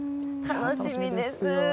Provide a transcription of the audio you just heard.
楽しみです。